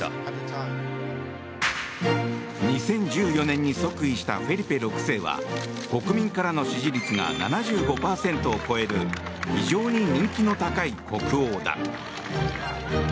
２０１４年に即位したフェリペ６世は国民からの支持率が７５％を超える非常に人気の高い国王だ。